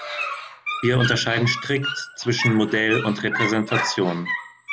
Wir unterscheiden strikt zwischen Modell und Repräsentation.